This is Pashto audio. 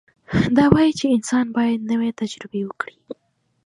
دا وایي چې انسان باید نوې تجربې وکړي.